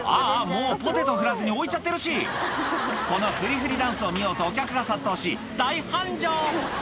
もうポテト振らずに置いちゃってるしこのふりふりダンスを見ようとお客が殺到し大繁盛